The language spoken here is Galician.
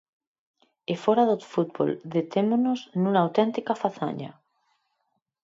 E fóra do fútbol detémonos nunha auténtica fazaña.